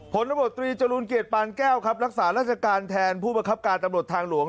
ผลระบบตรีจรูลเกียรติปานแก้วครับรักษาราชการแทนผู้ประคับการตำรวจทางหลวง